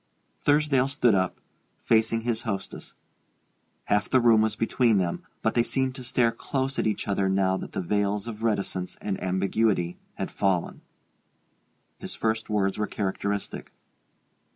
Thursdale stood up, facing his hostess. Half the room was between them, but they seemed to stare close at each other now that the veils of reticence and ambiguity had fallen. His first words were characteristic.